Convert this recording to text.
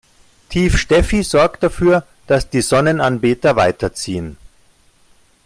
Tief Steffi sorgt dafür, dass die Sonnenanbeter weiterziehen.